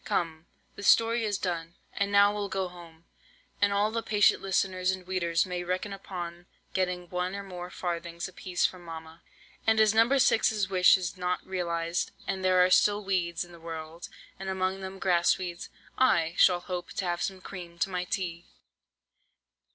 Come, the story is done, and now we'll go home, and all the patient listeners and weeders may reckon upon getting one or more farthings apiece from mamma. And as No. 6's wish is not realized, and there are still weeds in the world, and among them Grass weeds, I shall hope to have some cream to my tea."